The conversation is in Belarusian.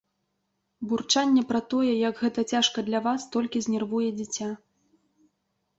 Бурчанне пра тое, як гэта цяжка для вас, толькі знервуе дзіця.